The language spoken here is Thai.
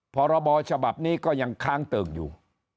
พรบฉบับนี้ก็ยังค้างเติ่งอยู่